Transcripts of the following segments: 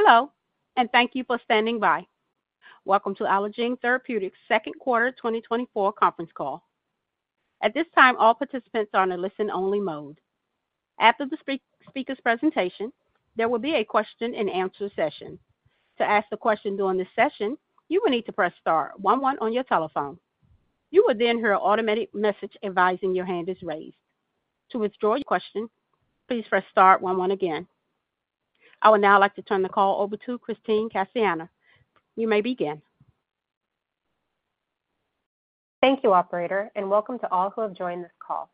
Hello, and thank you for standing by. Welcome to Allogene Therapeutics' second quarter 2024 conference call. At this time, all participants are in a listen-only mode. After the speakers' presentation, there will be a question-and-answer session. To ask a question during this session, you will need to press star one one on your telephone. You will then hear an automatic message advising your hand is raised. To withdraw your question, please press star one one again. I would now like to turn the call over to Christine Cassiano. You may begin. Thank you, operator, and welcome to all who have joined this call.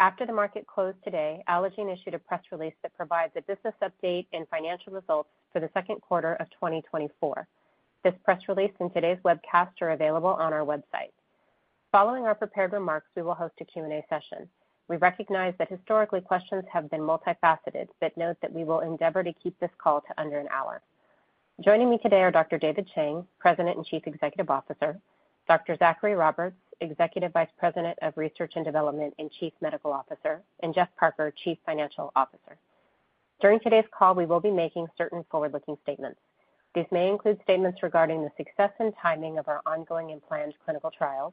After the market closed today, Allogene issued a press release that provides a business update and financial results for the second quarter of 2024. This press release and today's webcast are available on our website. Following our prepared remarks, we will host a Q&A session. We recognize that historically, questions have been multifaceted, but note that we will endeavor to keep this call to under an hour. Joining me today are Dr. David Chang, President and Chief Executive Officer; Dr. Zachary Roberts, Executive Vice President of Research and Development and Chief Medical Officer; and Jeff Parker, Chief Financial Officer. During today's call, we will be making certain forward-looking statements. These may include statements regarding the success and timing of our ongoing and planned clinical trials,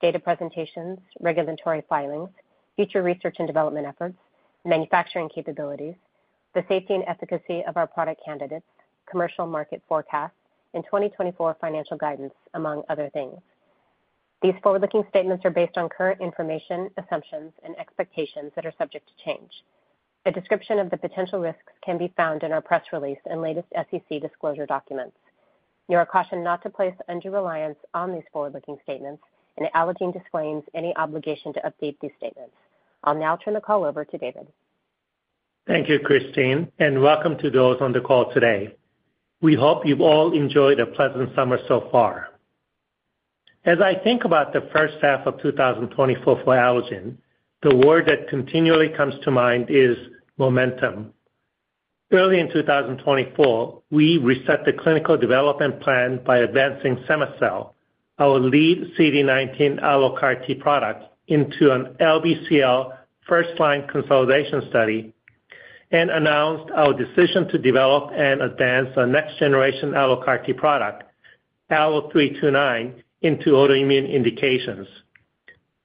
data presentations, regulatory filings, future research and development efforts, manufacturing capabilities, the safety and efficacy of our product candidates, commercial market forecasts, and 2024 financial guidance, among other things. These forward-looking statements are based on current information, assumptions, and expectations that are subject to change. A description of the potential risks can be found in our press release and latest SEC disclosure documents. You are cautioned not to place undue reliance on these forward-looking statements, and Allogene disclaims any obligation to update these statements. I'll now turn the call over to David. Thank you, Christine, and welcome to those on the call today. We hope you've all enjoyed a pleasant summer so far. As I think about the first half of 2024 for Allogene, the word that continually comes to mind is momentum. Early in 2024, we reset the clinical development plan by advancing cema-cel, our lead CD19 allo CAR T product, into an LBCL first-line consolidation study and announced our decision to develop and advance our next-generation allo CAR T product, ALLO-329, into autoimmune indications,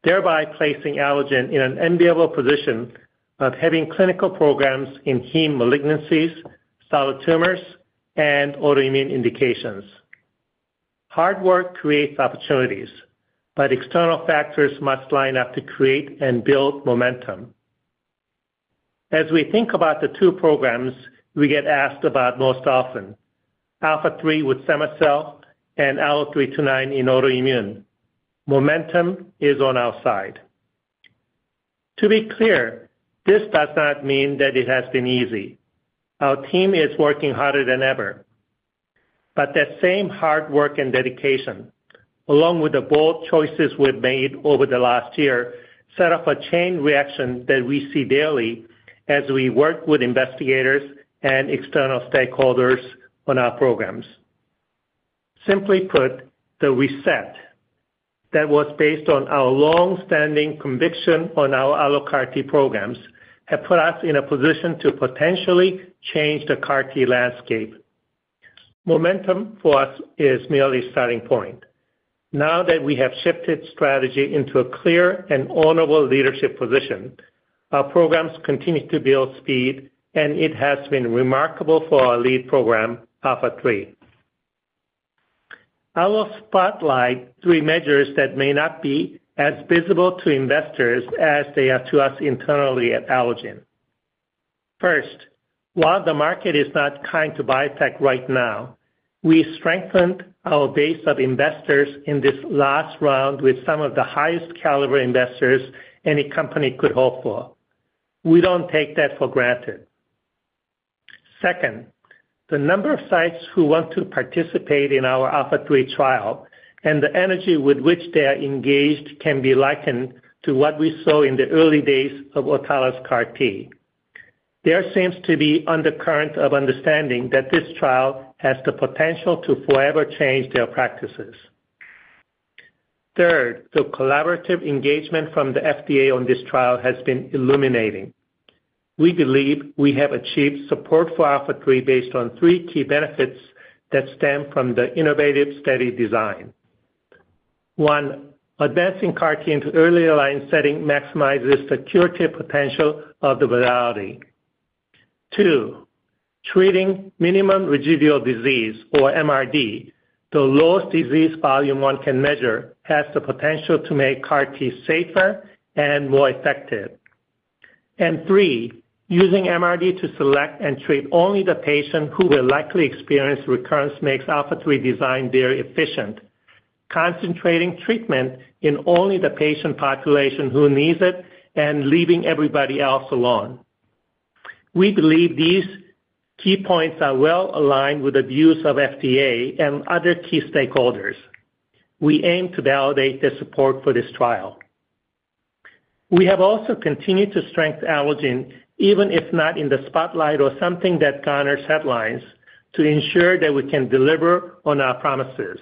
thereby placing Allogene in an enviable position of having clinical programs in heme malignancies, solid tumors, and autoimmune indications. Hard work creates opportunities, but external factors must line up to create and build momentum. As we think about the two programs we get asked about most often, ALPHA3 with cema-cel and ALLO-329 in autoimmune, momentum is on our side. To be clear, this does not mean that it has been easy. Our team is working harder than ever, but that same hard work and dedication, along with the bold choices we've made over the last year, set off a chain reaction that we see daily as we work with investigators and external stakeholders on our programs. Simply put, the reset that was based on our long-standing conviction on our allo CAR T programs have put us in a position to potentially change the CAR T landscape. Momentum for us is merely a starting point. Now that we have shifted strategy into a clear and honorable leadership position, our programs continue to build speed, and it has been remarkable for our lead program, ALPHA3. I will spotlight three measures that may not be as visible to investors as they are to us internally at Allogene. First, while the market is not kind to biotech right now, we strengthened our base of investors in this last round with some of the highest caliber investors any company could hope for. We don't take that for granted. Second, the number of sites who want to participate in our ALPHA3 trial and the energy with which they are engaged can be likened to what we saw in the early days of autologous CAR T. There seems to be undercurrent of understanding that this trial has the potential to forever change their practices. Third, the collaborative engagement from the FDA on this trial has been illuminating. We believe we have achieved support for ALPHA3 based on three key benefits that stem from the innovative study design. One, advancing CAR T into early line setting maximizes the curative potential of the modality. Two, treating minimum residual disease, or MRD, the lowest disease volume one can measure, has the potential to make CAR T safer and more effective. And three, using MRD to select and treat only the patient who will likely experience recurrence makes ALPHA3 design very efficient, concentrating treatment in only the patient population who needs it and leaving everybody else alone. We believe these key points are well aligned with the views of FDA and other key stakeholders. We aim to validate the support for this trial. We have also continued to strengthen Allogene, even if not in the spotlight or something that garners headlines, to ensure that we can deliver on our promises,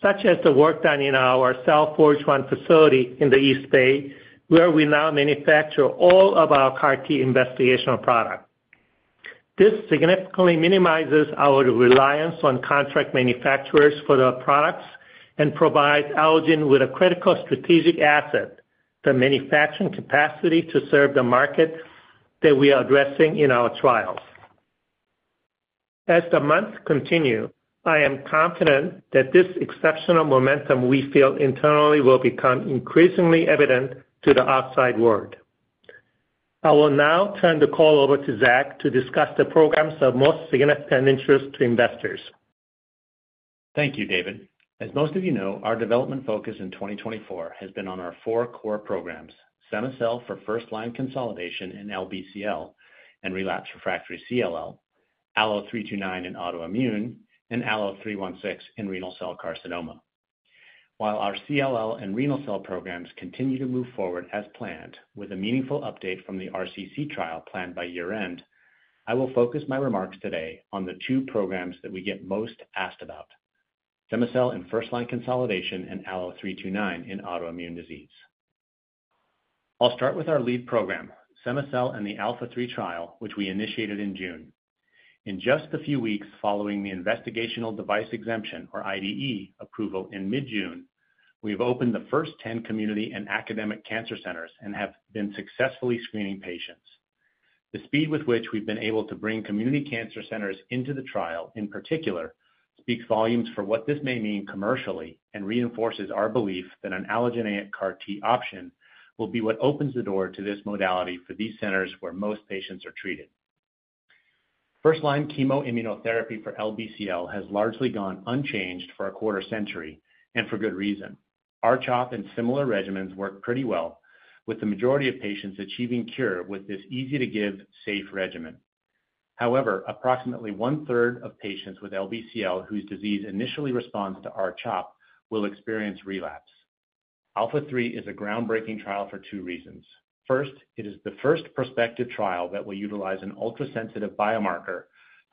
such as the work done in our Cell Forge 1 facility in the East Bay, where we now manufacture all of our CAR T investigational products. This significantly minimizes our reliance on contract manufacturers for the products and provides Allogene with a critical strategic asset, the manufacturing capacity to serve the market that we are addressing in our trials. As the months continue, I am confident that this exceptional momentum we feel internally will become increasingly evident to the outside world. I will now turn the call over to Zach to discuss the programs of most significant interest to investors. Thank you, David. As most of you know, our development focus in 2024 has been on our four core programs, cema-cel for first-line consolidation in LBCL and relapsed/refractory CLL, ALLO-329 in autoimmune, and ALLO-316 in renal cell carcinoma. While our CLL and renal cell programs continue to move forward as planned, with a meaningful update from the RCC trial planned by year-end, I will focus my remarks today on the two programs that we get most asked about, cema-cel in first-line consolidation and ALLO-329 in autoimmune disease. I'll start with our lead program, cema-cel and the ALPHA3 trial, which we initiated in June. In just a few weeks, following the Investigational Device Exemption, or IDE, approval in mid-June, we've opened the first 10 community and academic cancer centers and have been successfully screening patients. The speed with which we've been able to bring community cancer centers into the trial, in particular, speaks volumes for what this may mean commercially and reinforces our belief that an allogeneic CAR T option will be what opens the door to this modality for these centers where most patients are treated. First-line chemoimmunotherapy for LBCL has largely gone unchanged for a quarter century, and for good reason. R-CHOP and similar regimens work pretty well, with the majority of patients achieving cure with this easy-to-give, safe regimen. However, approximately one-third of patients with LBCL whose disease initially responds to R-CHOP will experience relapse. ALPHA3 is a groundbreaking trial for two reasons. First, it is the first prospective trial that will utilize an ultrasensitive biomarker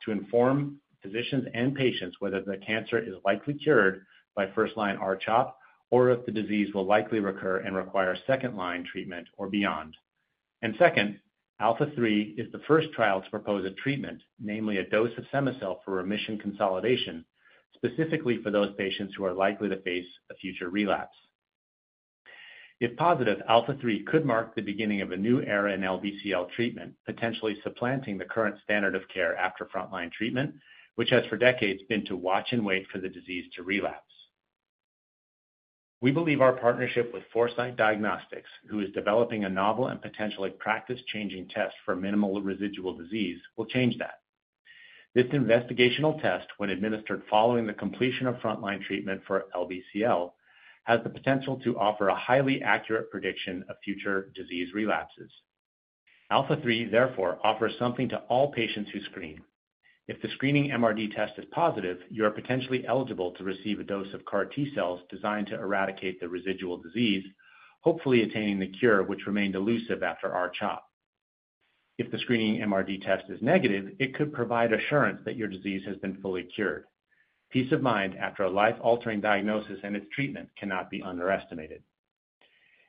to inform physicians and patients whether the cancer is likely cured by first-line R-CHOP, or if the disease will likely recur and require second-line treatment or beyond. And second, ALPHA3 is the first trial to propose a treatment, namely a dose of cema-cel, for remission consolidation, specifically for those patients who are likely to face a future relapse. If positive, ALPHA3 could mark the beginning of a new era in LBCL treatment, potentially supplanting the current standard of care after frontline treatment, which has for decades been to watch and wait for the disease to relapse. We believe our partnership with Foresight Diagnostics, who is developing a novel and potentially practice-changing test for minimal residual disease, will change that. This investigational test, when administered following the completion of frontline treatment for LBCL, has the potential to offer a highly accurate prediction of future disease relapses. ALPHA3, therefore, offers something to all patients who screen. If the screening MRD test is positive, you are potentially eligible to receive a dose of CAR T cells designed to eradicate the residual disease, hopefully attaining the cure which remained elusive after R-CHOP. If the screening MRD test is negative, it could provide assurance that your disease has been fully cured. Peace of mind after a life-altering diagnosis and its treatment cannot be underestimated.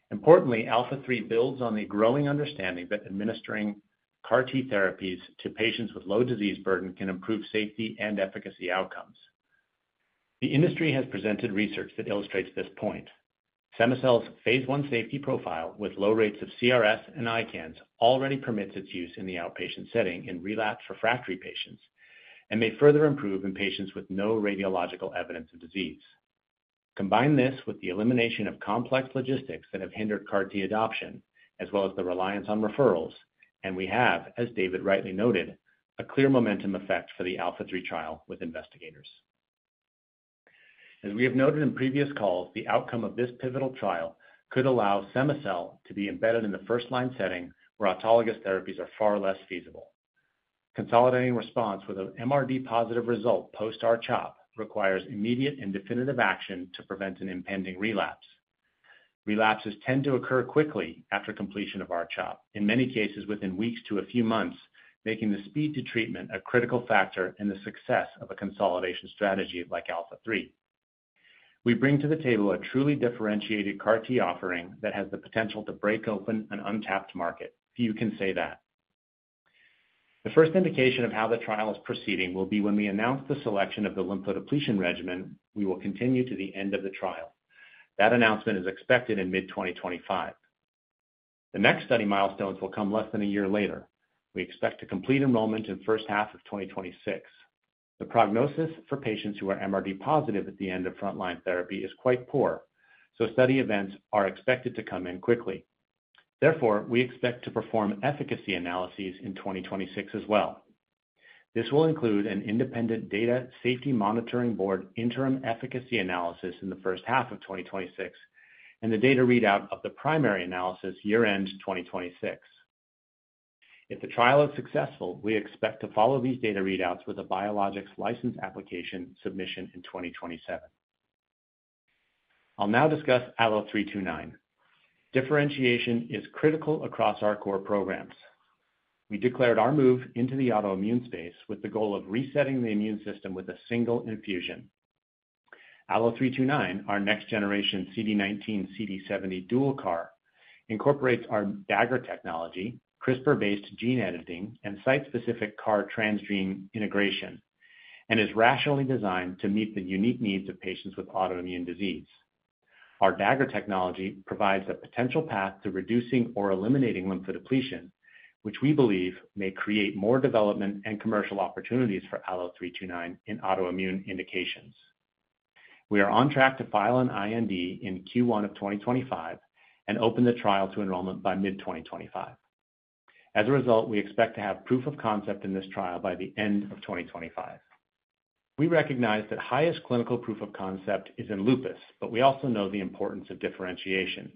Importantly, ALPHA3 builds on the growing understanding that administering CAR T therapies to patients with low disease burden can improve safety and efficacy outcomes. The industry has presented research that illustrates this point. cema-cel's Phase 1 safety profile with low rates of CRS and ICANS already permits its use in the outpatient setting in relapsed/refractory patients and may further improve in patients with no radiological evidence of disease. Combine this with the elimination of complex logistics that have hindered CAR T adoption, as well as the reliance on referrals, and we have, as David rightly noted, a clear momentum effect for the ALPHA3 trial with investigators. As we have noted in previous calls, the outcome of this pivotal trial could allow cema-cel to be embedded in the first-line setting where autologous therapies are far less feasible. Consolidating response with an MRD-positive result post R-CHOP requires immediate and definitive action to prevent an impending relapse. Relapses tend to occur quickly after completion of R-CHOP, in many cases, within weeks to a few months, making the speed to treatment a critical factor in the success of a consolidation strategy like ALPHA3. We bring to the table a truly differentiated CAR T offering that has the potential to break open an untapped market. Few can say that. The first indication of how the trial is proceeding will be when we announce the selection of the lymphodepletion regimen we will continue to the end of the trial. That announcement is expected in mid-2025. The next study milestones will come less than a year later. We expect to complete enrollment in the first half of 2026. The prognosis for patients who are MRD positive at the end of frontline therapy is quite poor, so study events are expected to come in quickly. Therefore, we expect to perform efficacy analyses in 2026 as well. This will include an independent data safety monitoring board interim efficacy analysis in the first half of 2026, and the data readout of the primary analysis year-end 2026. If the trial is successful, we expect to follow these data readouts with a Biologics License Application submission in 2027.... I'll now discuss ALLO-329. Differentiation is critical across our core programs. We declared our move into the autoimmune space with the goal of resetting the immune system with a single infusion. ALLO-329, our next-generation CD19, CD70 dual CAR, incorporates our Dagger technology, CRISPR-based gene editing, and site-specific CAR transgene integration, and is rationally designed to meet the unique needs of patients with autoimmune disease. Our Dagger technology provides a potential path to reducing or eliminating lymphodepletion, which we believe may create more development and commercial opportunities for ALLO-329 in autoimmune indications. We are on track to file an IND in Q1 of 2025 and open the trial to enrollment by mid-2025. As a result, we expect to have proof of concept in this trial by the end of 2025. We recognize that highest clinical proof of concept is in lupus, but we also know the importance of differentiation,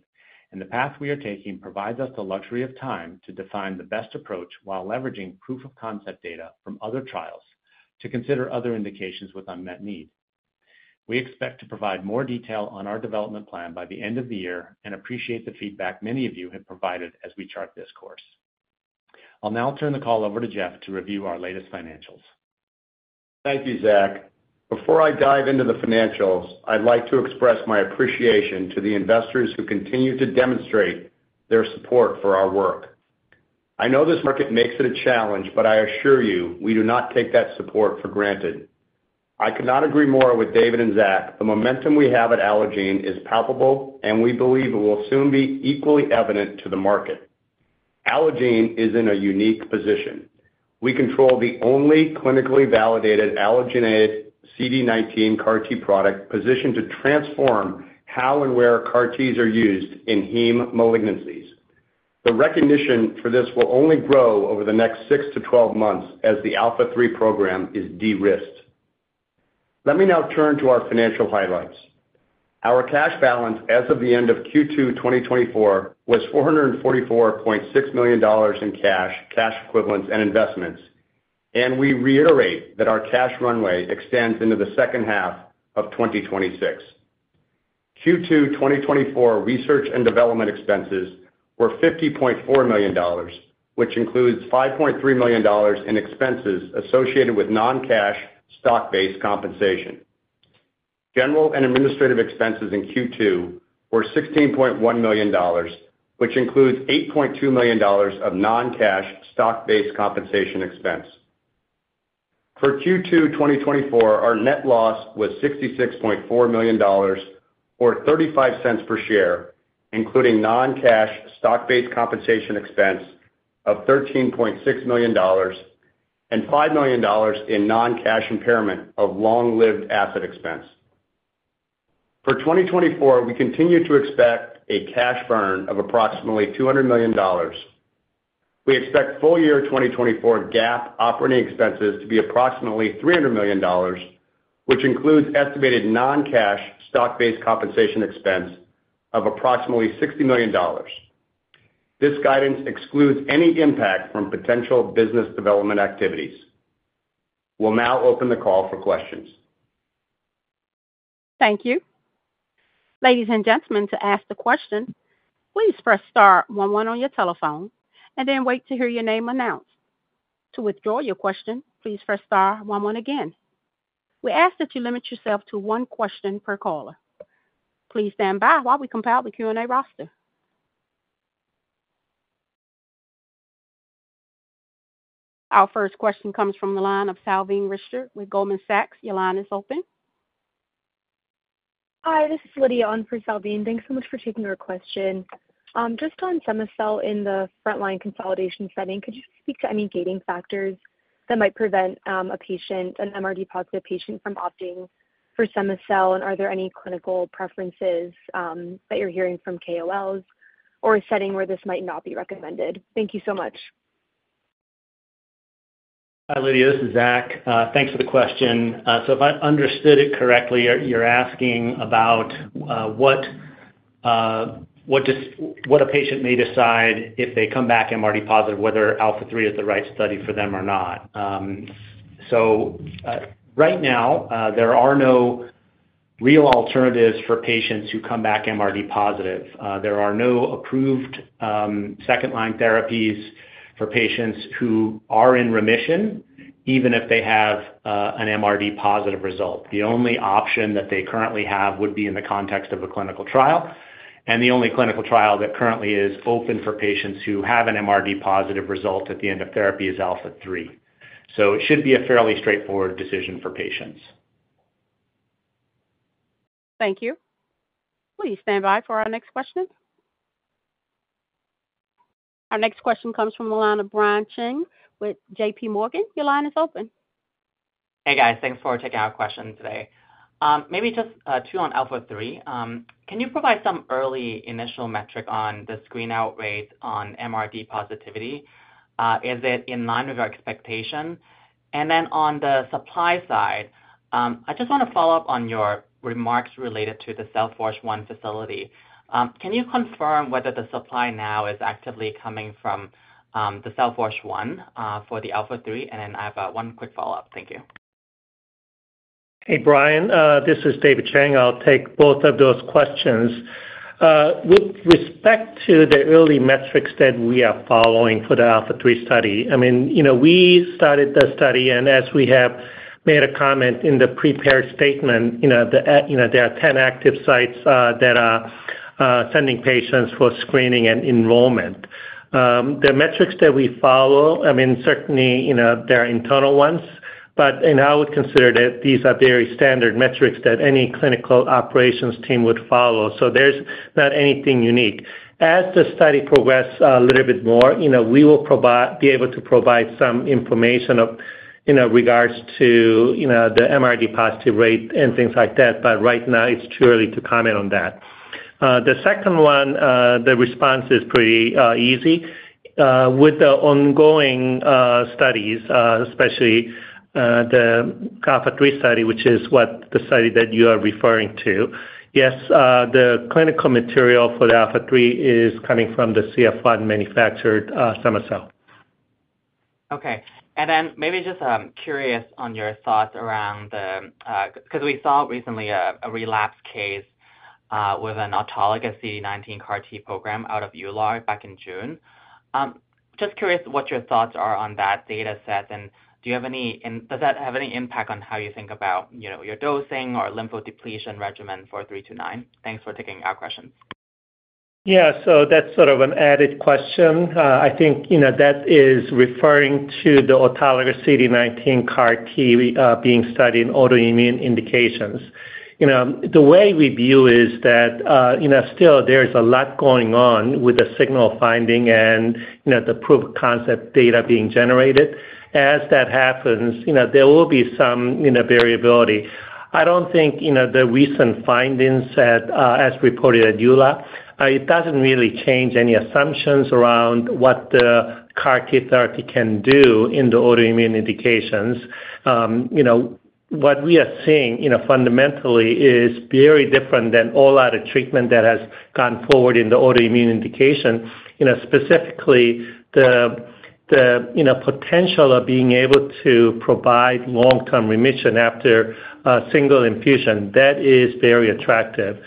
and the path we are taking provides us the luxury of time to define the best approach while leveraging proof-of-concept data from other trials to consider other indications with unmet need. We expect to provide more detail on our development plan by the end of the year and appreciate the feedback many of you have provided as we chart this course. I'll now turn the call over to Jeff to review our latest financials. Thank you, Zach. Before I dive into the financials, I'd like to express my appreciation to the investors who continue to demonstrate their support for our work. I know this market makes it a challenge, but I assure you, we do not take that support for granted. I could not agree more with David and Zach. The momentum we have at Allogene is palpable, and we believe it will soon be equally evident to the market. Allogene is in a unique position. We control the only clinically validated allogeneic CD19 CAR T product positioned to transform how and where CAR Ts are used in heme malignancies. The recognition for this will only grow over the next six to twelve months as the ALPHA3 program is de-risked. Let me now turn to our financial highlights. Our cash balance as of the end of Q2 2024 was $444.6 million in cash, cash equivalents, and investments, and we reiterate that our cash runway extends into the second half of 2026. Q2 2024 research and development expenses were $50.4 million, which includes $5.3 million in expenses associated with non-cash stock-based compensation. General and administrative expenses in Q2 were $16.1 million, which includes $8.2 million of non-cash stock-based compensation expense. For Q2 2024, our net loss was $66.4 million, or $0.35 per share, including non-cash stock-based compensation expense of $13.6 million and $5 million in non-cash impairment of long-lived asset expense. For 2024, we continue to expect a cash burn of approximately $200 million. We expect full year 2024 GAAP operating expenses to be approximately $300 million, which includes estimated non-cash stock-based compensation expense of approximately $60 million. This guidance excludes any impact from potential business development activities. We'll now open the call for questions. Thank you. Ladies and gentlemen, to ask the question, please press star one one on your telephone and then wait to hear your name announced. To withdraw your question, please press star one one again. We ask that you limit yourself to one question per caller. Please stand by while we compile the Q&A roster. Our first question comes from the line of Salveen Richter with Goldman Sachs. Your line is open. Hi, this is Lydia on for Savine. Thanks so much for taking our question. Just on cema-cel in the frontline consolidation setting, could you just speak to any gating factors that might prevent a patient, an MRD-positive patient from opting for cema-cel? And are there any clinical preferences that you're hearing from KOLs, or a setting where this might not be recommended? Thank you so much. Hi, Lydia, this is Zach. Thanks for the question. So if I understood it correctly, you're asking about what a patient may decide if they come back MRD positive, whether ALPHA3 is the right study for them or not. So, right now, there are no real alternatives for patients who come back MRD positive. There are no approved second-line therapies for patients who are in remission, even if they have an MRD positive result. The only option that they currently have would be in the context of a clinical trial, and the only clinical trial that currently is open for patients who have an MRD positive result at the end of therapy is ALPHA3. So it should be a fairly straightforward decision for patients. Thank you. Please stand by for our next question. Our next question comes from the line of Brian Cheng with JPMorgan. Your line is open. Hey, guys. Thanks for taking our question today. Maybe just two on ALPHA3. Can you provide some early initial metric on the screen-out rates on MRD positivity? Is it in line with our expectation? And then on the supply side, I just want to follow up on your remarks related to the Cell Forge 1 facility. Can you confirm whether the supply now is actively coming from the Cell Forge 1 for the ALPHA3? And then I have one quick follow-up. Thank you.... Hey, Brian, this is David Chang. I'll take both of those questions. With respect to the early metrics that we are following for the ALPHA3 study, I mean, you know, we started the study, and as we have made a comment in the prepared statement, you know, there are 10 active sites that are sending patients for screening and enrollment. The metrics that we follow, I mean, certainly, you know, they're internal ones, but and I would consider that these are very standard metrics that any clinical operations team would follow, so there's not anything unique. As the study progressed a little bit more, you know, we will provide be able to provide some information of, you know, regards to, you know, the MRD positive rate and things like that, but right now, it's too early to comment on that. The second one, the response is pretty easy. With the ongoing studies, especially the ALPHA3 study, which is what the study that you are referring to, yes, the clinical material for the ALPHA3 is coming from the CF1 manufactured cell. Okay. Then maybe just curious on your thoughts around the... 'cause we saw recently a relapse case with an autologous CD19 CAR T program out of EULAR back in June. Just curious what your thoughts are on that data set, and does that have any impact on how you think about, you know, your dosing or lymphodepletion regimen for 3-9? Thanks for taking our questions. Yeah, so that's sort of an added question. I think, you know, that is referring to the autologous CD19 CAR T, being studied in autoimmune indications. You know, the way we view is that, you know, still there is a lot going on with the signal finding and, you know, the proof concept data being generated. As that happens, you know, there will be some, you know, variability. I don't think, you know, the recent findings at, as reported at EULAR, it doesn't really change any assumptions around what the CAR T therapy can do in the autoimmune indications. You know, what we are seeing, you know, fundamentally is very different than all other treatment that has gone forward in the autoimmune indication. You know, specifically, you know, potential of being able to provide long-term remission after a single infusion, that is very attractive.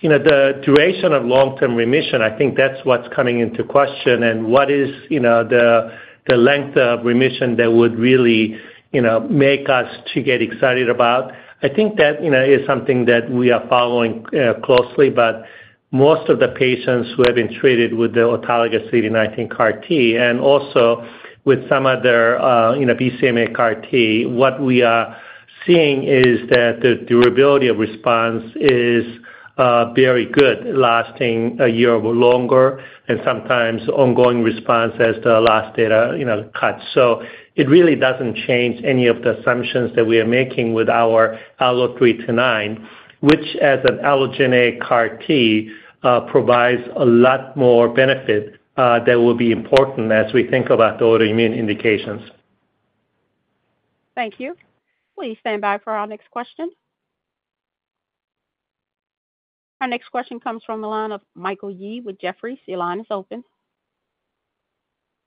You know, the duration of long-term remission, I think that's what's coming into question, and what is, you know, the length of remission that would really, you know, make us to get excited about? I think that, you know, is something that we are following closely, but most of the patients who have been treated with the autologous CD19 CAR T, and also with some other, you know, BCMA CAR T, what we are seeing is that the durability of response is very good, lasting a year or longer, and sometimes ongoing response as the last data, you know, cuts. So it really doesn't change any of the assumptions that we are making with our ALLO-329, which, as an allogeneic CAR T, provides a lot more benefit that will be important as we think about the autoimmune indications. Thank you. Please stand by for our next question. Our next question comes from the line of Michael Yee with Jefferies. Your line is open.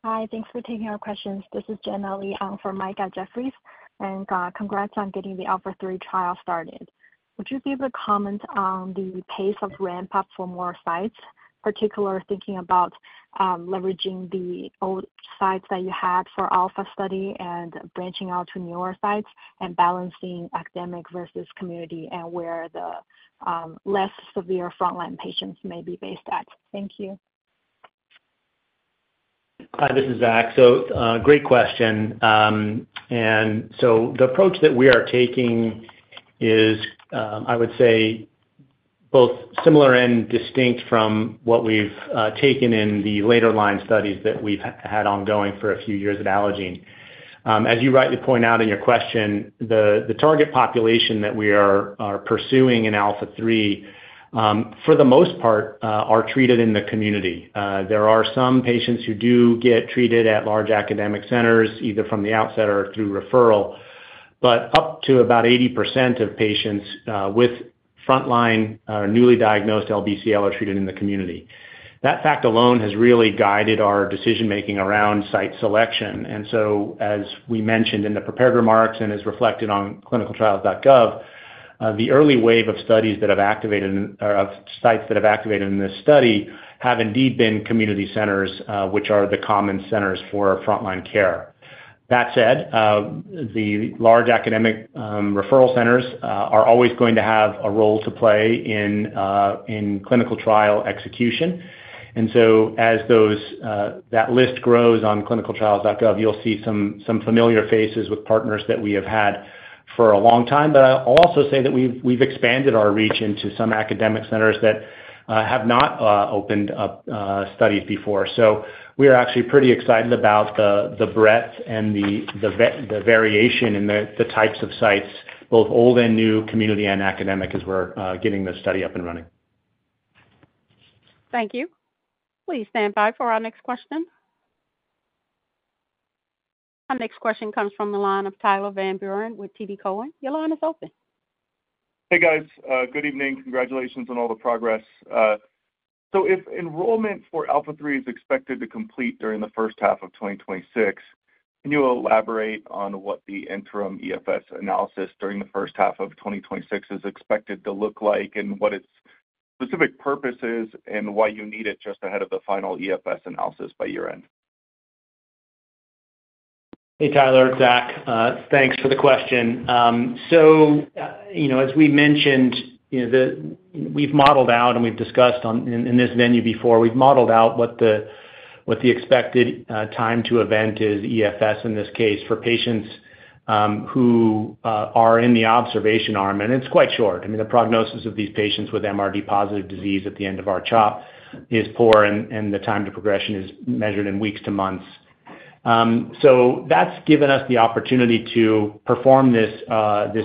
Hi, thanks for taking our questions. This is Jenny Li for Mike at Jefferies, and, congrats on getting the ALPHA3 trial started. Would you be able to comment on the pace of ramp-up for more sites, particularly thinking about, leveraging the old sites that you had for Alpha study and branching out to newer sites and balancing academic versus community and where the, less severe frontline patients may be based at? Thank you. Hi, this is Zach. So, great question. And so the approach that we are taking is, I would say both similar and distinct from what we've taken in the later line studies that we've had ongoing for a few years at Allogene. As you rightly point out in your question, the target population that we are pursuing in ALPHA3, for the most part, are treated in the community. There are some patients who do get treated at large academic centers, either from the outset or through referral, but up to about 80% of patients with frontline or newly diagnosed LBCL are treated in the community. That fact alone has really guided our decision-making around site selection. And so, as we mentioned in the prepared remarks and is reflected on clinicaltrials.gov, the early wave of sites that have activated in this study have indeed been community centers, which are the common centers for frontline care. That said, the large academic referral centers are always going to have a role to play in clinical trial execution. And so as that list grows on clinicaltrials.gov, you'll see some familiar faces with partners that we have had for a long time. But I'll also say that we've expanded our reach into some academic centers that have not opened up studies before. So we are actually pretty excited about the breadth and the variation in the types of sites, both old and new, community and academic, as we're getting this study up and running. Thank you. Please stand by for our next question. Our next question comes from the line of Tyler Van Buren with TD Cowen. Your line is open. Hey, guys, good evening. Congratulations on all the progress. So if enrollment for ALPHA3 is expected to complete during the first half of 2026, can you elaborate on what the interim EFS analysis during the first half of 2026 is expected to look like, and what its specific purpose is, and why you need it just ahead of the final EFS analysis by year-end? Hey, Tyler, Zach, thanks for the question. So, you know, as we mentioned, you know, we've modeled out, and we've discussed in this venue before, we've modeled out what the expected time to event is, EFS, in this case, for patients who are in the observation arm, and it's quite short. I mean, the prognosis of these patients with MRD positive disease at the end of our CHOP is poor, and the time to progression is measured in weeks to months. So that's given us the opportunity to perform this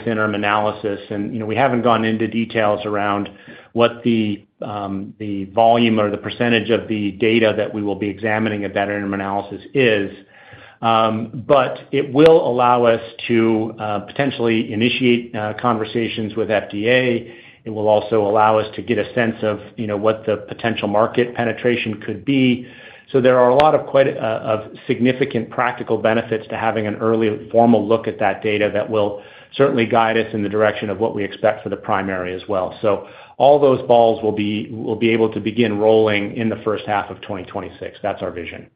interim analysis. You know, we haven't gone into details around what the volume or the percentage of the data that we will be examining at that interim analysis is. But it will allow us to potentially initiate conversations with FDA. It will also allow us to get a sense of, you know, what the potential market penetration could be. So there are a lot of quite significant practical benefits to having an early formal look at that data that will certainly guide us in the direction of what we expect for the primary as well. So we'll be able to begin rolling in the first half of 2026. That's our vision.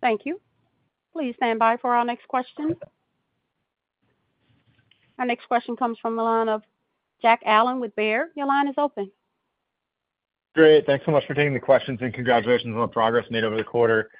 Thank you. Please stand by for our next question. Our next question comes from the line of Jack Allen with Baird. Your line is open. Great. Thanks so much for taking the questions, and congratulations on the progress made over the quarter.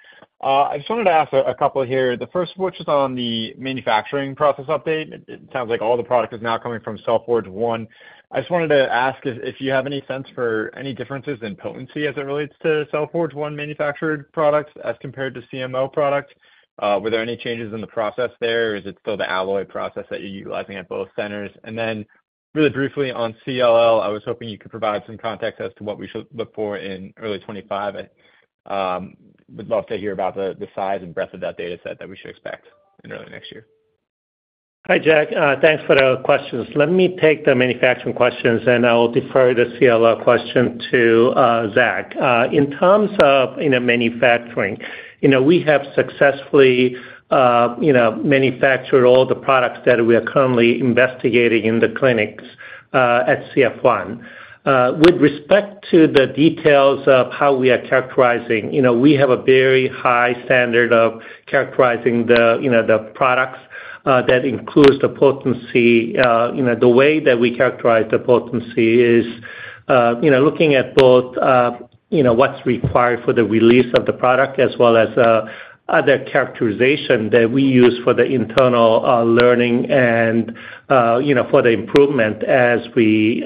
I just wanted to ask a couple here. The first of which is on the manufacturing process update. It sounds like all the product is now coming from Cell Forge 1. I just wanted to ask if you have any sense for any differences in potency as it relates to Cell Forge 1 manufactured products as compared to CMO products? Were there any changes in the process there, or is it still the Allo process that you're utilizing at both centers? And then really briefly on CLL, I was hoping you could provide some context as to what we should look for in early 2025. I would love to hear about the size and breadth of that data set that we should expect in early next year. Hi, Jack. Thanks for the questions. Let me take the manufacturing questions, and I will defer the CLL question to Zach. In terms of, you know, manufacturing, you know, we have successfully, you know, manufactured all the products that we are currently investigating in the clinics at CF1. With respect to the details of how we are characterizing, you know, we have a very high standard of characterizing the, you know, the products. That includes the potency. You know, the way that we characterize the potency is, you know, looking at both, you know, what's required for the release of the product, as well as, other characterization that we use for the internal learning and, you know, for the improvement as we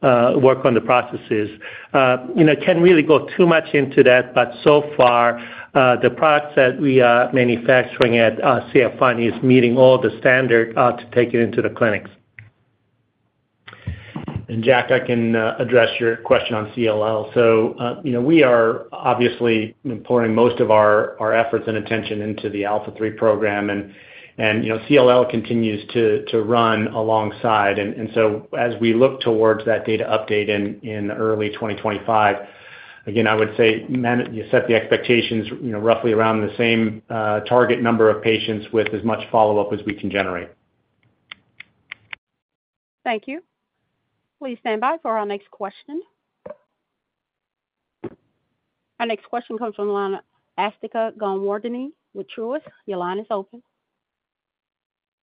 work on the processes. You know, can't really go too much into that, but so far, the products that we are manufacturing at CF1 is meeting all the standard to take it into the clinics. And Jack, I can address your question on CLL. So, you know, we are obviously pouring most of our efforts and attention into the ALPHA3 program, and, you know, CLL continues to run alongside. And so as we look towards that data update in early 2025, again, I would say you set the expectations, you know, roughly around the same target number of patients with as much follow-up as we can generate. Thank you. Please stand by for our next question. Our next question comes from the line, Asthika Goonewardene with Truist. Your line is open.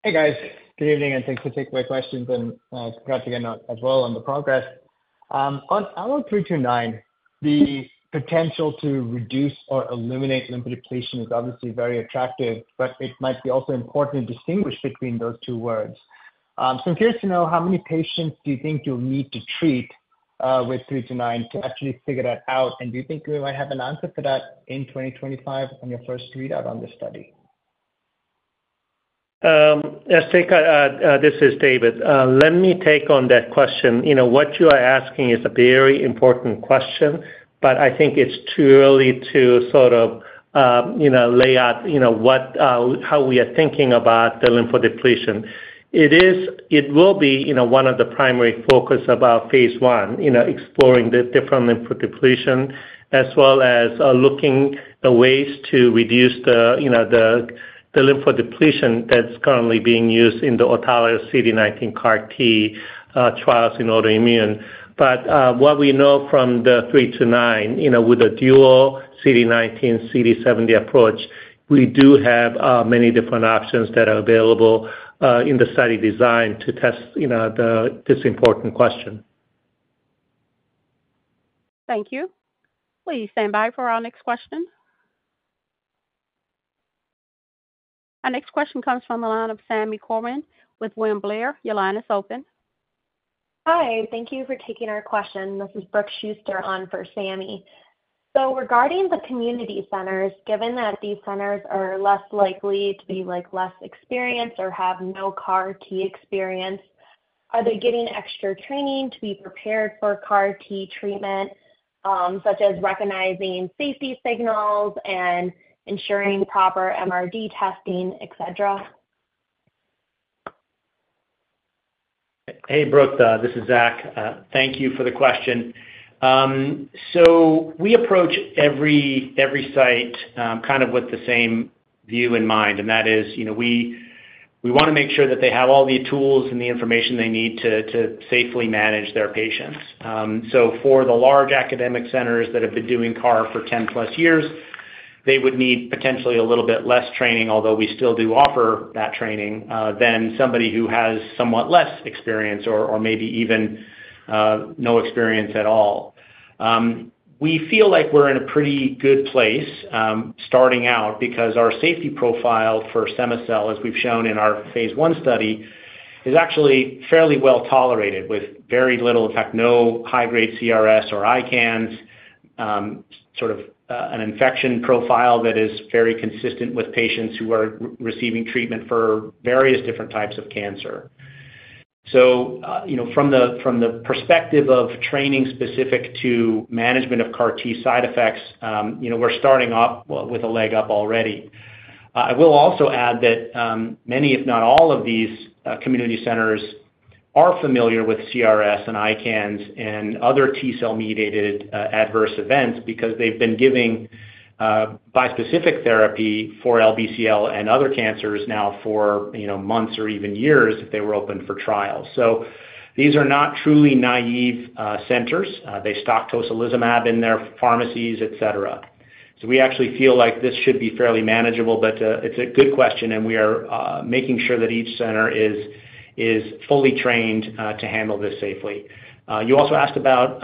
Hey, guys. Good evening, and thanks for taking my questions, and congrats again as well on the progress. On ALLO-329, the potential to reduce or eliminate lymphodepletion is obviously very attractive, but it might be also important to distinguish between those two words. So I'm curious to know, how many patients do you think you'll need to treat with ALLO-329 to actually figure that out? And do you think you might have an answer for that in 2025 on your first readout on this study? Asthika, this is David. Let me take on that question. You know, what you are asking is a very important question, but I think it's too early to sort of, you know, lay out, you know, what, how we are thinking about the lymphodepletion. It will be, you know, one of the primary focus of our phase 1, you know, exploring the different lymphodepletion, as well as, looking at ways to reduce the, you know, the lymphodepletion that's currently being used in the autologous CD19 CAR T, trials in autoimmune. But, what we know from the 329, you know, with the dual CD19, CD70 approach, we do have, many different options that are available, in the study design to test, you know, this important question. Thank you. Please stand by for our next question. Our next question comes from the line of Sami Corwin with William Blair. Your line is open. Hi, thank you for taking our question. This is Brooke Schuster on for Sami. So regarding the community centers, given that these centers are less likely to be, like, less experienced or have no CAR T experience, are they getting extra training to be prepared for CAR T treatment, such as recognizing safety signals and ensuring proper MRD testing, et cetera?... Hey, Brooke, this is Zach. Thank you for the question. So we approach every site kind of with the same view in mind, and that is, you know, we wanna make sure that they have all the tools and the information they need to safely manage their patients. So for the large academic centers that have been doing CAR for 10+ years, they would need potentially a little bit less training, although we still do offer that training than somebody who has somewhat less experience or maybe even no experience at all. We feel like we're in a pretty good place starting out because our safety profile for cema-cel, as we've shown in our phase I study, is actually fairly well tolerated with very little, in fact, no high-grade CRS or ICANS. Sort of, an infection profile that is very consistent with patients who are receiving treatment for various different types of cancer. So, you know, from the perspective of training specific to management of CAR T side effects, you know, we're starting off with a leg up already. I will also add that, many, if not all of these, community centers are familiar with CRS and ICANS and other T-cell mediated, adverse events because they've been giving, bispecific therapy for LBCL and other cancers now for, you know, months or even years if they were open for trials. So these are not truly naive, centers. They stock tocilizumab in their pharmacies, et cetera. So we actually feel like this should be fairly manageable, but it's a good question, and we are making sure that each center is fully trained to handle this safely. You also asked about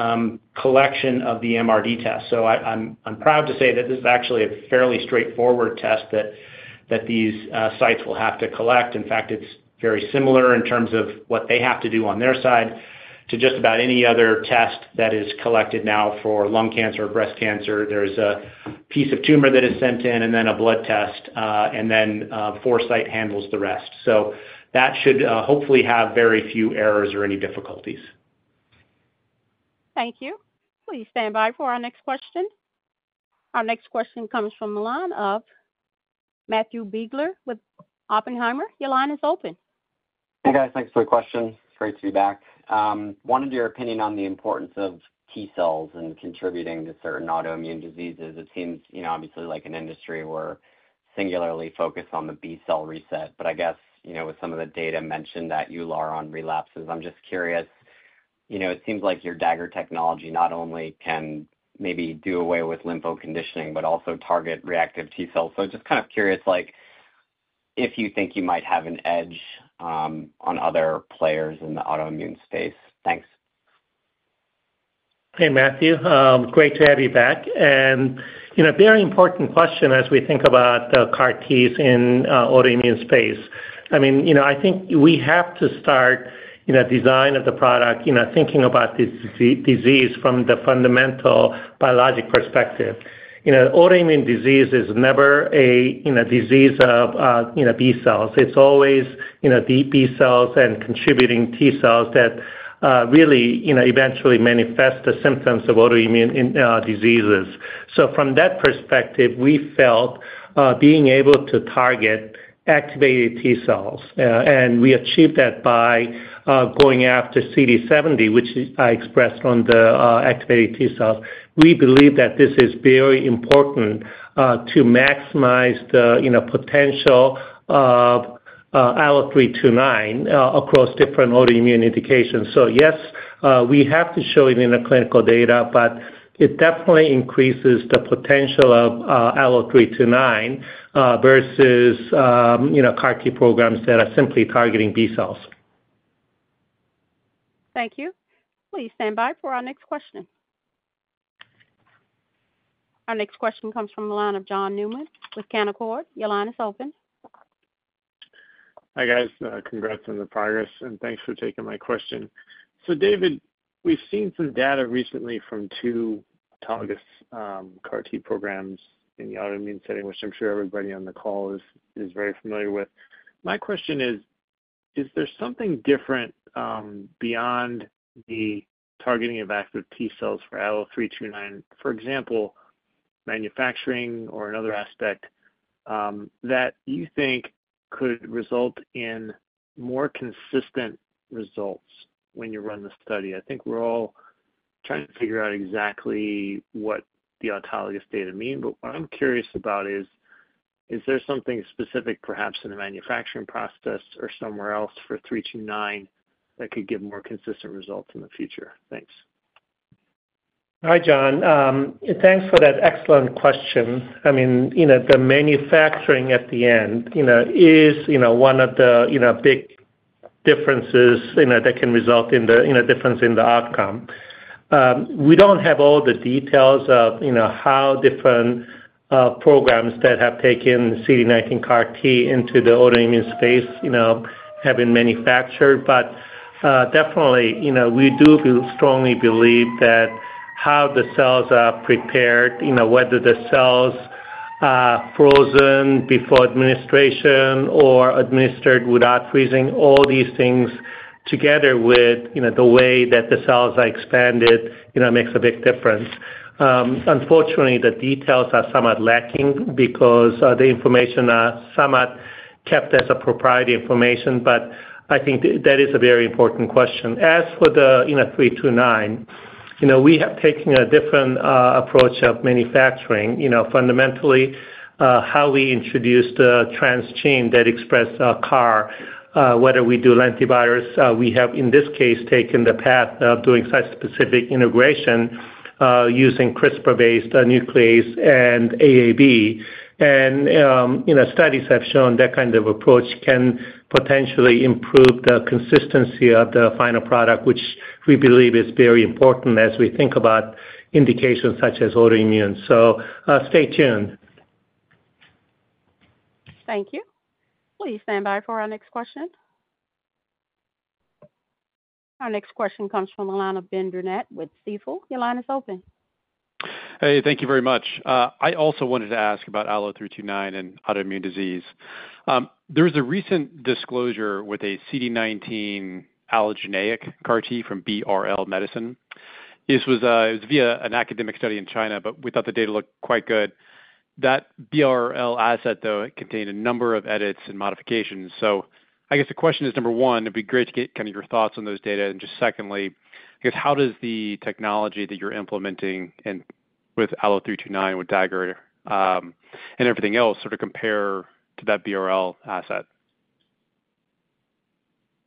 collection of the MRD test. So I'm proud to say that this is actually a fairly straightforward test that these sites will have to collect. In fact, it's very similar in terms of what they have to do on their side to just about any other test that is collected now for lung cancer, breast cancer. There's a piece of tumor that is sent in and then a blood test, and then Foresight handles the rest. So that should hopefully have very few errors or any difficulties. Thank you. Please stand by for our next question. Our next question comes from the line of Matthew Biegler with Oppenheimer. Your line is open. Hey, guys. Thanks for the question. It's great to be back. Wanted your opinion on the importance of T-cells in contributing to certain autoimmune diseases. It seems, you know, obviously like an industry where singularly focused on the B-cell reset, but I guess, you know, with some of the data mentioned at EULAR on relapses, I'm just curious. You know, it seems like your Dagger technology not only can maybe do away with lympho conditioning, but also target reactive T-cells. So just kind of curious, like, if you think you might have an edge on other players in the autoimmune space. Thanks. Hey, Matthew, great to have you back. You know, a very important question as we think about the CAR Ts in autoimmune space. I mean, you know, I think we have to start design of the product, you know, thinking about this disease from the fundamental biologic perspective. You know, autoimmune disease is never a disease of B-cells. It's always the B-cells and contributing T-cells that really, you know, eventually manifest the symptoms of autoimmune diseases. So from that perspective, we felt being able to target activated T-cells, and we achieved that by going after CD70, which is expressed on the activated T-cells. We believe that this is very important to maximize the potential of ALLO-329 across different autoimmune indications. So yes, we have to show it in the clinical data, but it definitely increases the potential of ALLO-329 versus, you know, CAR T programs that are simply targeting B cells. Thank you. Please stand by for our next question. Our next question comes from the line of John Newman with Canaccord. Your line is open. Hi, guys, congrats on the progress, and thanks for taking my question. So David, we've seen some data recently from two autologous CAR T programs in the autoimmune setting, which I'm sure everybody on the call is very familiar with. My question is, is there something different beyond the targeting of active T cells for ALLO-329? For example, manufacturing or another aspect that you think could result in more consistent results when you run the study? I think we're all trying to figure out exactly what the autologous data mean, but what I'm curious about is, is there something specific perhaps in the manufacturing process or somewhere else for 329, that could give more consistent results in the future? Thanks. Hi, John. Thanks for that excellent question. I mean, you know, the manufacturing at the end, you know, is, you know, one of the, you know, big differences, you know, that can result in the, in a difference in the outcome. We don't have all the details of, you know, how different programs that have taken CD19 CAR T into the autoimmune space, you know, have been manufactured. But, definitely, you know, we do feel strongly believe that how the cells are prepared, you know, whether the cells are frozen before administration or administered without freezing, all these things together with, you know, the way that the cells are expanded, you know, makes a big difference. Unfortunately, the details are somewhat lacking because, the information are somewhat kept as a proprietary information, but I think that is a very important question. As for the, you know, 329, you know, we have taken a different approach of manufacturing. You know, fundamentally, how we introduce the transgene that express CAR, whether we do lentivirus, we have, in this case, taken the path of doing site-specific integration using CRISPR-based nuclease and AAV. And, you know, studies have shown that kind of approach can potentially improve the consistency of the final product, which we believe is very important as we think about indications such as autoimmune. So, stay tuned. Thank you. Please stand by for our next question. Our next question comes from the line of Ben Burnett with Stifel. Your line is open. Hey, thank you very much. I also wanted to ask about ALLO-329 and autoimmune disease. There was a recent disclosure with a CD19 allogeneic CAR T from BRL Medicine. This was via an academic study in China, but we thought the data looked quite good. That BRL asset, though, it contained a number of edits and modifications. So I guess the question is, number one, it'd be great to get kind of your thoughts on those data. And just secondly, I guess, how does the technology that you're implementing and with ALLO-329, with Dagger, and everything else sort of compare to that BRL asset?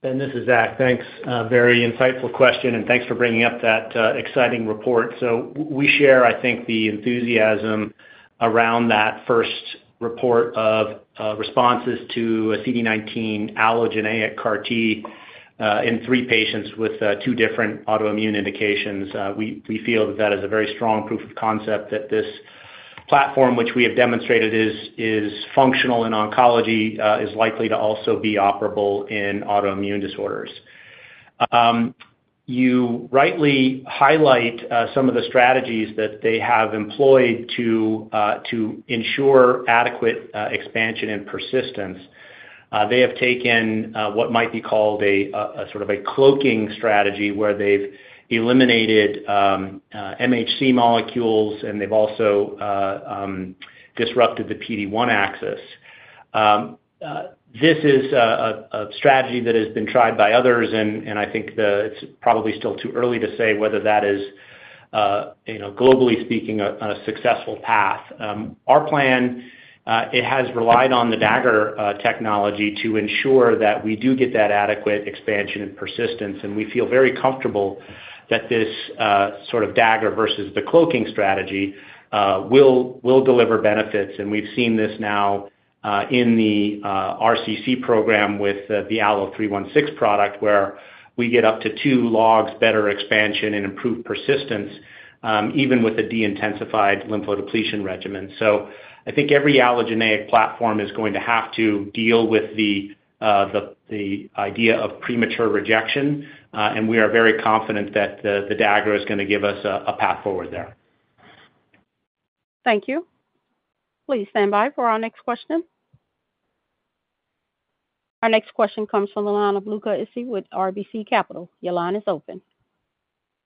Ben, this is Zach. Thanks, very insightful question, and thanks for bringing up that, exciting report. So we share, I think, the enthusiasm around that first report of, responses to a CD19 allogeneic CAR T, in three patients with, two different autoimmune indications. We feel that that is a very strong proof of concept that this platform, which we have demonstrated is, functional in oncology, is likely to also be operable in autoimmune disorders. You rightly highlight, some of the strategies that they have employed to, to ensure adequate, expansion and persistence. They have taken, what might be called a, a sort of a cloaking strategy, where they've eliminated, MHC molecules, and they've also, disrupted the PD-1 axis. This is a strategy that has been tried by others, and I think it's probably still too early to say whether that is, you know, globally speaking, on a successful path. Our plan, it has relied on the Dagger technology to ensure that we do get that adequate expansion and persistence, and we feel very comfortable that this sort of Dagger versus the cloaking strategy will deliver benefits. And we've seen this now in the RCC program with the ALLO-316 product, where we get up to two logs better expansion and improved persistence, even with the deintensified lymphodepletion regimen. So I think every allogeneic platform is going to have to deal with the idea of premature rejection, and we are very confident that the dagger is gonna give us a path forward there. Thank you. Please stand by for our next question. Our next question comes from the line of Luca Issi with RBC Capital. Your line is open.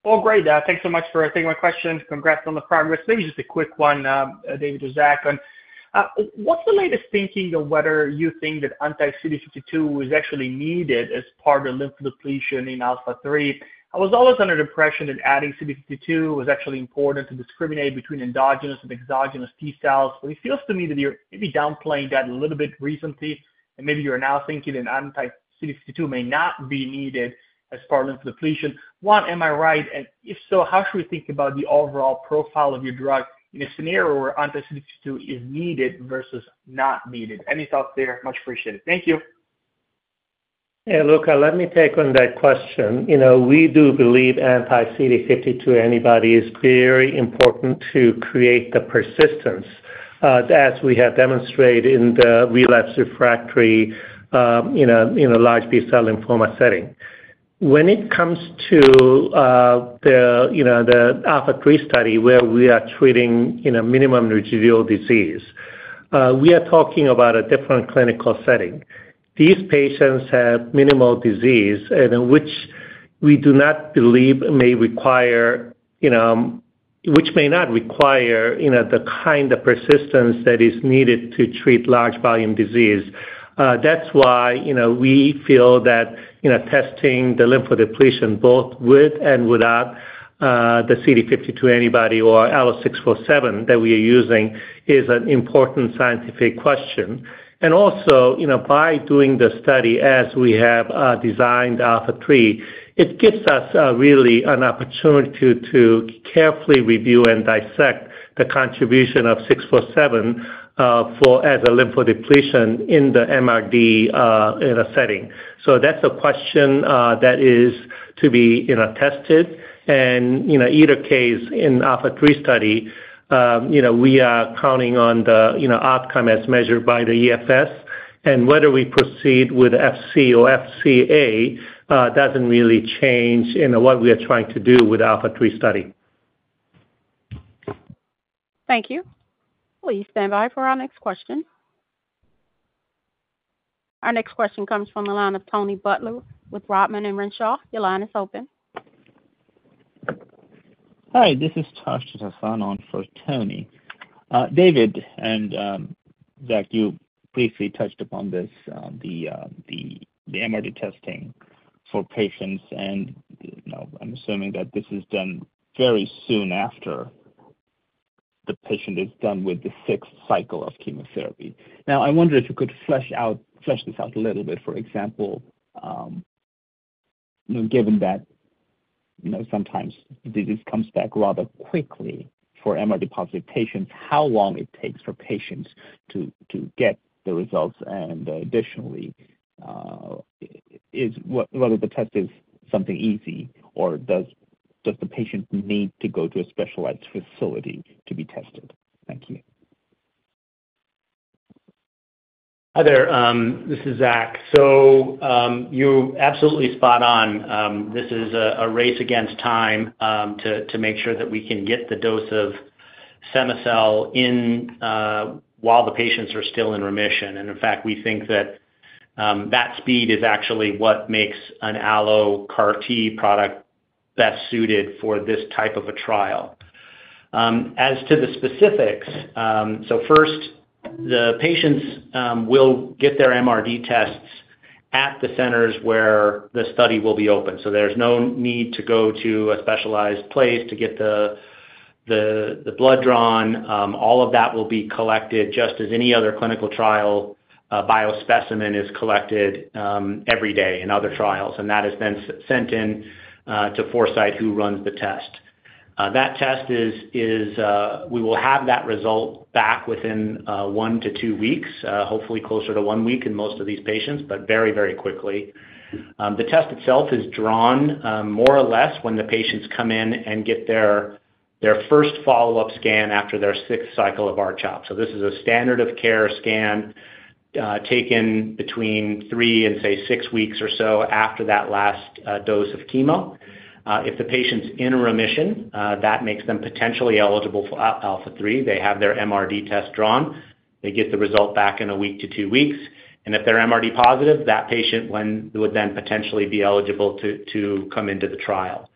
Well, great, thanks so much for taking my question. Congrats on the progress. Maybe just a quick one, David or Zach. On, what's the latest thinking on whether you think that anti-CD52 is actually needed as part of the lymph depletion in ALPHA3? I was always under the impression that adding CD52 was actually important to discriminate between endogenous and exogenous T-cells, but it feels to me that you're maybe downplaying that a little bit recently, and maybe you're now thinking that anti-CD52 may not be needed as part of lymph depletion. One, am I right? And if so, how should we think about the overall profile of your drug in a scenario where anti-CD52 is needed versus not needed? Any thoughts there? Much appreciated. Thank you. Yeah, Luca, let me take on that question. You know, we do believe anti-CD52 antibody is very important to create the persistence, as we have demonstrated in the relapsed/refractory, in a large B-cell lymphoma setting. When it comes to, the you know, the ALPHA3 study, where we are treating, you know, minimum residual disease, we are talking about a different clinical setting. These patients have minimal disease, which may not require, you know, the kind of persistence that is needed to treat large volume disease. That's why, you know, we feel that, you know, testing the lymphodepletion both with and without, the CD52 antibody or ALLO-647, that we are using, is an important scientific question. And also, you know, by doing the study as we have designed ALPHA3, it gives us really an opportunity to carefully review and dissect the contribution of ALLO-647 for as a lymphodepletion in the MRD in a setting. So that's a question that is to be, you know, tested. And, you know, either case in ALPHA3 study, you know, we are counting on the outcome as measured by the EFS. And whether we proceed with FC or FCA doesn't really change, you know, what we are trying to do with ALPHA3 study. Thank you. Please stand by for our next question. Our next question comes from the line of Tony Butler with Roth Capital Partners. Your line is open. Hi, this is Tash Hassan on for Tony. David and Zach, you briefly touched upon this, the MRD testing for patients, and, you know, I'm assuming that this is done very soon after the patient is done with the sixth cycle of chemotherapy. Now, I wonder if you could flesh this out a little bit. For example, you know, given that, you know, sometimes the disease comes back rather quickly for MRD positive patients, how long it takes for patients to get the results? And, additionally, whether the test is something easy, or does the patient need to go to a specialized facility to be tested? Thank you. Hi there, this is Zach. So, you're absolutely spot on. This is a race against time to make sure that we can get the dose of cema-cel in while the patients are still in remission. And in fact, we think that that speed is actually what makes an allo CAR T product best suited for this type of a trial. As to the specifics, so first, the patients will get their MRD tests at the centers where the study will be open. So there's no need to go to a specialized place to get the blood drawn. All of that will be collected just as any other clinical trial biospecimen is collected every day in other trials, and that is then sent in to Foresight, who runs the test. That test is, we will have that result back within 1 to 2 weeks, hopefully closer to 1 week in most of these patients, but very, very quickly. The test itself is drawn more or less when the patients come in and get their first follow-up scan after their sixth cycle of R-CHOP. So this is a standard of care scan, taken between 3 and, say, 6 weeks or so after that last dose of chemo. If the patient's in remission, that makes them potentially eligible for ALPHA3. They have their MRD test drawn, they get the result back in 1 week to 2 weeks, and if they're MRD positive, that patient would then potentially be eligible to come into the trial.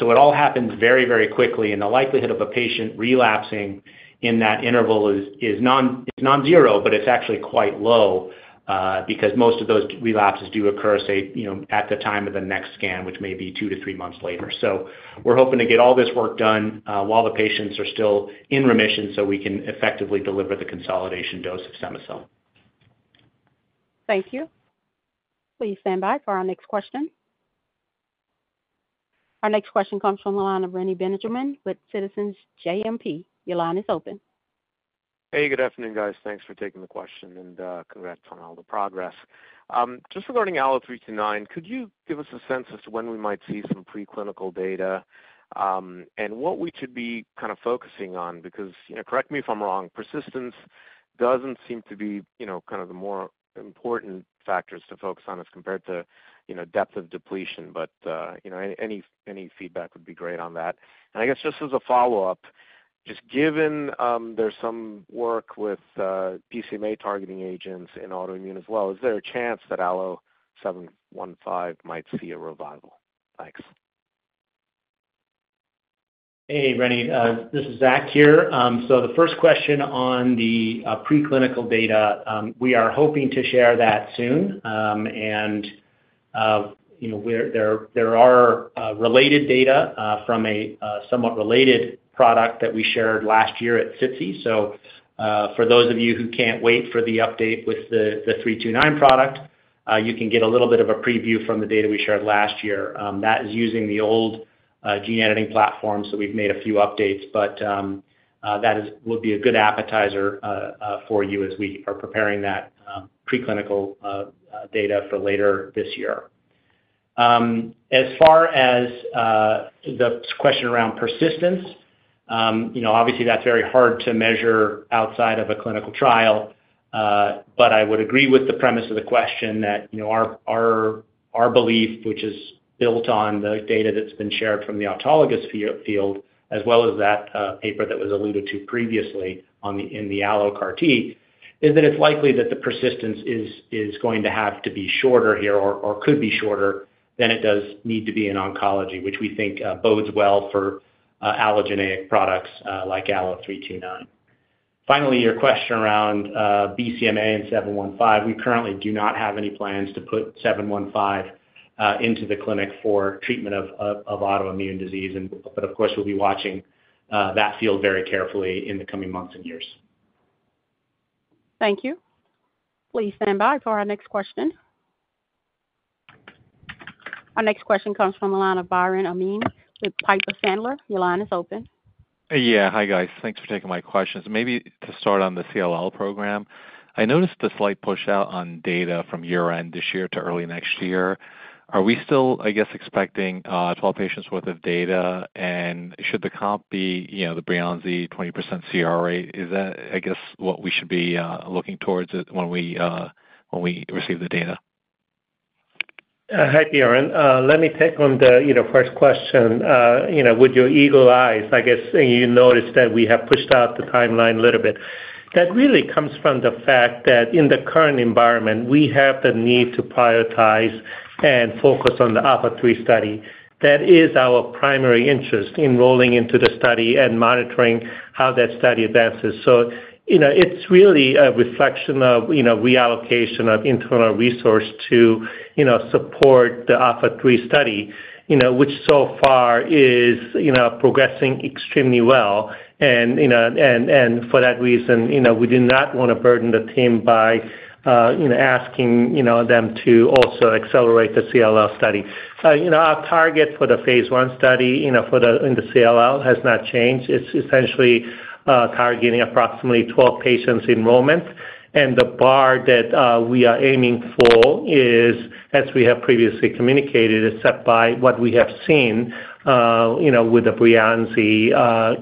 So it all happens very, very quickly, and the likelihood of a patient relapsing in that interval is non-zero, but it's actually quite low, because most of those relapses do occur, say, you know, at the time of the next scan, which may be 2-3 months later. So we're hoping to get all this work done, while the patients are still in remission, so we can effectively deliver the consolidation dose of cema-cel. Thank you. Please stand by for our next question. Our next question comes from the line of Reni Benjamin with Citizens JMP. Your line is open. Hey, good afternoon, guys. Thanks for taking the question, and congrats on all the progress. Just regarding ALLO-329, could you give us a sense as to when we might see some preclinical data, and what we should be kind of focusing on? Because, you know, correct me if I'm wrong, persistence doesn't seem to be, you know, kind of the more important factors to focus on as compared to, you know, depth of depletion, but you know, any feedback would be great on that. And I guess just as a follow-up, just given there's some work with BCMA-targeting agents in autoimmune as well, is there a chance that ALLO-715 might see a revival? Thanks. Hey, Reni, this is Zach here. So the first question on the preclinical data, we are hoping to share that soon. And, you know, we're there. There are related data from a somewhat related product that we shared last year at SITC. So, for those of you who can't wait for the update with the 329 product, you can get a little bit of a preview from the data we shared last year. That is using the old gene editing platform, so we've made a few updates, but that will be a good appetizer for you as we are preparing that preclinical data for later this year. As far as the question around persistence, you know, obviously that's very hard to measure outside of a clinical trial. But I would agree with the premise of the question that, you know, our belief, which is built on the data that's been shared from the autologous field, as well as that paper that was alluded to previously in the allo CAR T, is that it's likely that the persistence is going to have to be shorter here or could be shorter than it needs to be in oncology, which we think bodes well for allogeneic products like ALLO-329. Finally, your question around BCMA and ALLO-715. We currently do not have any plans to put ALLO-715 into the clinic for treatment of autoimmune disease. But of course, we'll be watching that field very carefully in the coming months and years. Thank you. Please stand by for our next question. Our next question comes from the line of Biren Amin with Piper Sandler. Your line is open. Yeah. Hi, guys. Thanks for taking my questions. Maybe to start on the CLL program, I noticed a slight push out on data from year-end this year to early next year. Are we still, I guess, expecting 12 patients worth of data? And should the comp be, you know, the Breyanzi 20% CRR? Is that, I guess, what we should be looking toward it when we receive the data?... Hi, Biren. Let me take on the, you know, first question. You know, with your eagle eyes, I guess, you noticed that we have pushed out the timeline a little bit. That really comes from the fact that in the current environment, we have the need to prioritize and focus on the ALPHA3 study. That is our primary interest, enrolling into the study and monitoring how that study advances. So, you know, it's really a reflection of, you know, reallocation of internal resource to, you know, support the ALPHA3 study, you know, which so far is, you know, progressing extremely well. And for that reason, you know, we do not wanna burden the team by, you know, asking, you know, them to also accelerate the CLL study. You know, our target for the Phase 1 study, you know, for the CLL has not changed. It's essentially targeting approximately 12 patients enrollment. And the bar that we are aiming for is, as we have previously communicated, is set by what we have seen, you know, with the Breyanzi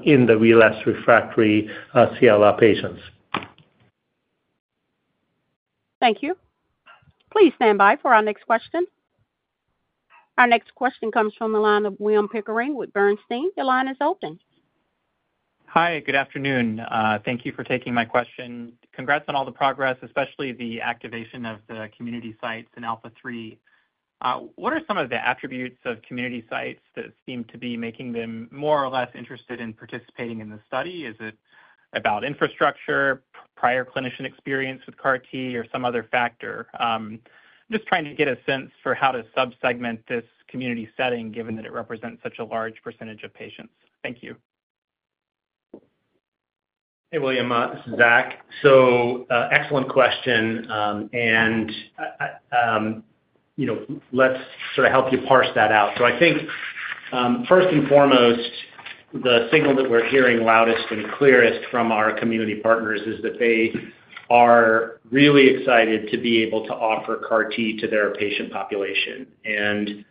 in the relapsed refractory CLL patients. Thank you. Please stand by for our next question. Our next question comes from the line of William Pickering with Bernstein. Your line is open. Hi, good afternoon. Thank you for taking my question. Congrats on all the progress, especially the activation of the community sites in ALPHA3. What are some of the attributes of community sites that seem to be making them more or less interested in participating in this study? Is it about infrastructure, prior clinician experience with CAR T, or some other factor? Just trying to get a sense for how to sub-segment this community setting, given that it represents such a large percentage of patients. Thank you. Hey, William, this is Zach. So, excellent question. And, you know, let's sort of help you parse that out. So I think, first and foremost, the signal that we're hearing loudest and clearest from our community partners is that they are really excited to be able to offer CAR T to their patient population. And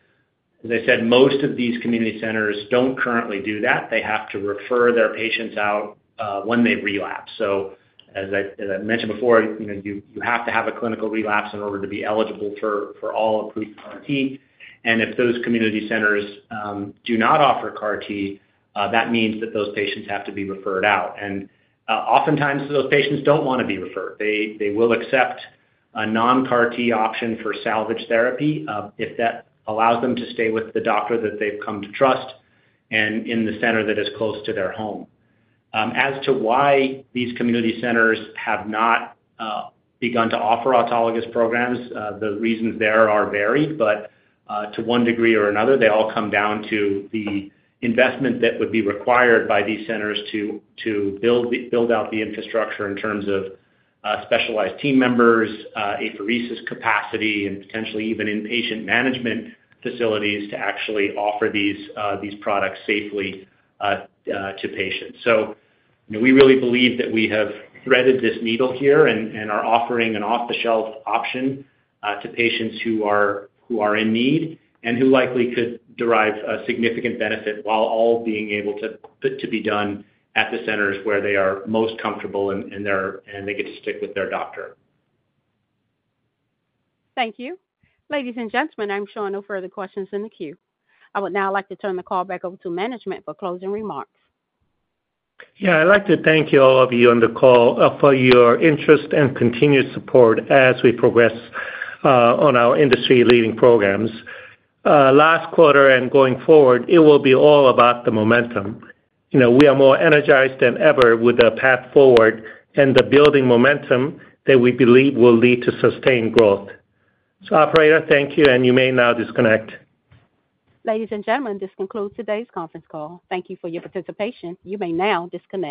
as I said, most of these community centers don't currently do that. They have to refer their patients out when they relapse. So as I, as I mentioned before, you know, you, you have to have a clinical relapse in order to be eligible for, for all approved CAR T. And if those community centers do not offer CAR T, that means that those patients have to be referred out. And, oftentimes, those patients don't want to be referred. They, they will accept a non-CAR T option for salvage therapy, if that allows them to stay with the doctor that they've come to trust and in the center that is close to their home. As to why these community centers have not begun to offer autologous programs, the reasons there are varied, but, to one degree or another, they all come down to the investment that would be required by these centers to build out the infrastructure in terms of, specialized team members, apheresis capacity, and potentially even inpatient management facilities to actually offer these products safely, to patients. So you know, we really believe that we have threaded this needle here and are offering an off-the-shelf option to patients who are in need, and who likely could derive a significant benefit while all being able to be done at the centers where they are most comfortable and they get to stick with their doctor. Thank you. Ladies and gentlemen, I'm showing no further questions in the queue. I would now like to turn the call back over to management for closing remarks. Yeah, I'd like to thank you, all of you on the call, for your interest and continued support as we progress on our industry-leading programs. Last quarter and going forward, it will be all about the momentum. You know, we are more energized than ever with the path forward and the building momentum that we believe will lead to sustained growth. So operator, thank you, and you may now disconnect. Ladies and gentlemen, this concludes today's conference call. Thank you for your participation. You may now disconnect.